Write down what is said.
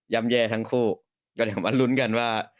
แย่ทั้งคู่ก็เดี๋ยวมาลุ้นกันว่า